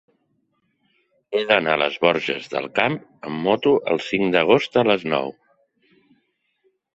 He d'anar a les Borges del Camp amb moto el cinc d'agost a les nou.